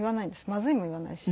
「まずい」も言わないし。